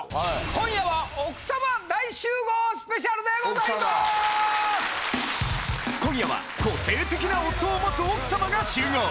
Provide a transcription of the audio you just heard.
今夜は個性的な夫を持つ奥様が集合。